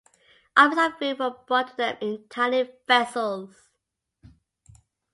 Offerings of food were brought to them in tiny vessels.